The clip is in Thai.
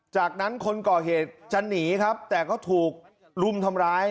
จากนั้นคนก่อเหตุจะหนีครับแต่ก็ถูกรุมทำร้าย